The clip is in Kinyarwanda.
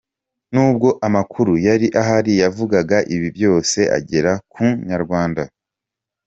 Nubwo amakuru yari ahari yavugaga ibi byose agera ku Inyarwanda.